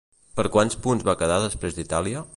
Per quants punts va quedar després d'Itàlia?